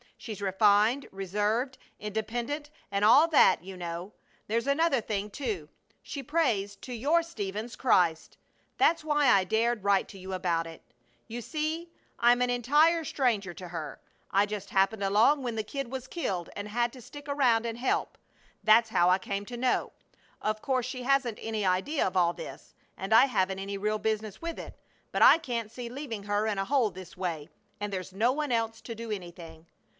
She's refined, reserved, independent, and all that, you know. There's another thing, too she prays to your Stephen's Christ that's why I dared write to you about it. You see, I'm an entire stranger to her. I just happened along when the kid was killed and had to stick around and help; that's how I came to know. Of course she hasn't any idea of all this, and I haven't any real business with it, but I can't see leaving her in a hole this way; and there's no one else to do anything.